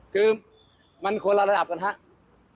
คือมันคนละระดับกันครับ